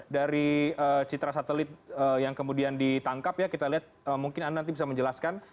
dari citra satelit yang kemudian ditangkap ya kita lihat mungkin anda nanti bisa menjelaskan